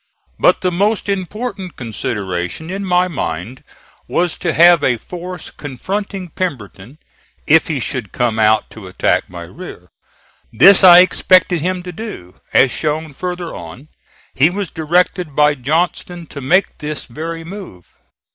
But the most important consideration in my mind was to have a force confronting Pemberton if he should come out to attack my rear. This I expected him to do; as shown further on, he was directed by Johnston to make this very move.